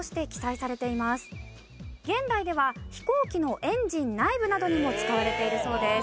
現代では飛行機のエンジン内部などにも使われているそうです。